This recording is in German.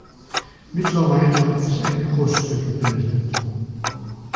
Mittlerweile hat sich eine Kruste gebildet.